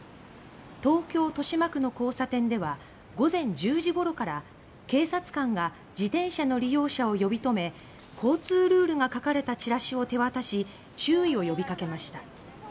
東京・豊島区の交差点では午前１０時ごろから警察官が自転車利用者を呼び止め交通ルールが書かれたチラシを手渡し注意を呼びかけました。